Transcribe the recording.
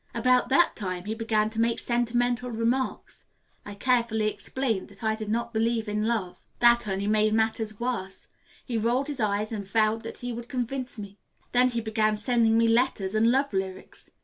About that time he began to make sentimental remarks. I carefully explained that I did not believe in love. That only made matters worse. He rolled his eyes and vowed that he would convince me. Then he began sending me letters and love lyrics.